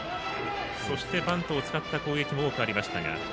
そして、バントを使った攻撃も多くありましたが。